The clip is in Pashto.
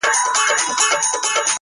د ژوندانه كارونه پاته رانه _